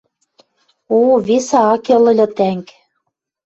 О, весӹ ак кел ыльы тӓнг!..